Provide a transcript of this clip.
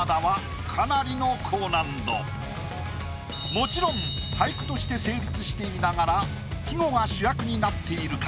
もちろん俳句として成立していながら季語が主役になっているか？